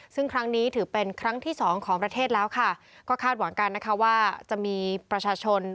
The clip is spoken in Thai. ซึ่งครั้งนี้ถือเป็นครั้งที่สองของประเทศแล้วค่ะก็คาดหวังกันนะคะว่าจะมีประชาชน